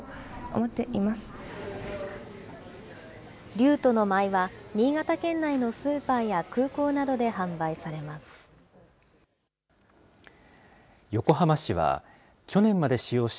柳都の舞は新潟県内のスーパーや空港などで販売されます。